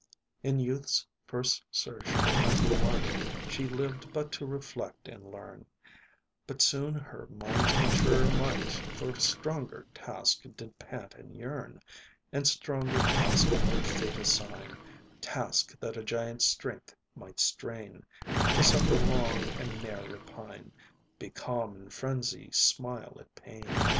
In youth's first search for mental light, She lived but to reflect and learn, But soon her mind's maturer might For stronger task did pant and yearn; And stronger task did fate assign, Task that a giant's strength might strain; To suffer long and ne'er repine, Be calm in frenzy, smile at pain.